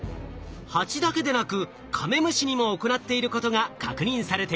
ハチだけでなくカメムシにも行っていることが確認されています。